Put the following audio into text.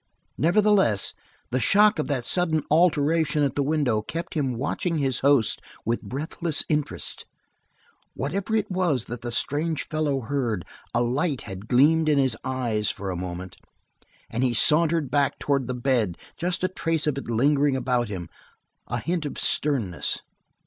Nevertheless, the shock of that sudden alteration at the window kept him watching his host with breathless interest. Whatever it was that the strange fellow heard, a light had gleamed in his eyes for a moment. As he sauntered back towards the bed just a trace of it lingered about him, a hint of sternness.